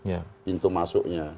setiap ada peristiwa itu ada momen pak